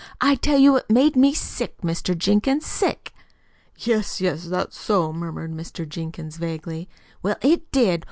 I tell you it made me sick, Mr. Jenkins, sick!" "Yes, yes, that's so," murmured Mr. Jenkins, vaguely. "Well, it did.